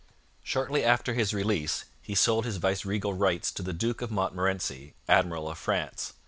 Shortly after his release he sold his viceregal rights to the Duke of Montmorency, Admiral of France.